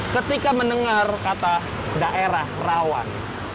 ketika mendengar kata daerah rawan